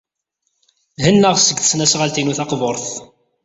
Hennaɣ seg tesnasɣalt-inu taqburt.